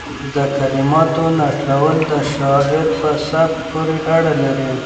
د کلماتو نښلول د شاعر په سبک پورې اړه لري.